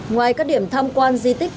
ngoài các điểm tham quan di tích